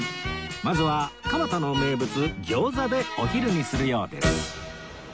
まずは蒲田の名物餃子でお昼にするようです